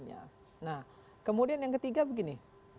nah kemudian yang ketiga begini